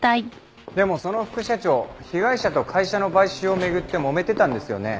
でもその副社長被害者と会社の買収を巡ってもめてたんですよね？